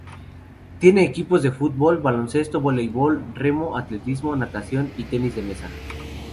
Tiene equipos de fútbol, baloncesto, voleibol, remo, atletismo, natación y tenis de mesa.